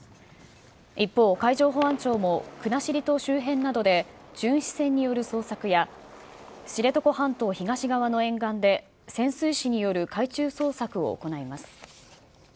一方、海上保安庁も、国後島周辺などで巡視船による捜索や、知床半島東側の沿岸で潜水士による海中捜索を行います。